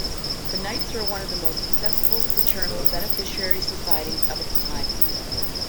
The Knights were one of the most successful fraternal beneficiary societies of its time.